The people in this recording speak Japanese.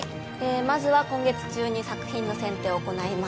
まずは今月中に作品の選定を行います